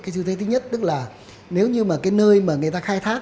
sự thế thứ nhất nếu như nơi người ta khai thác